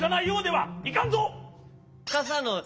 はい。